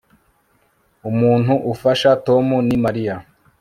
Umuntu ufasha Tom ni Mariya